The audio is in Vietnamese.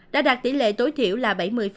đã đạt tỷ lệ tối thiểu là bảy mươi